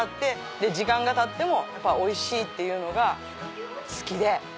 で時間がたってもおいしいっていうのが好きで。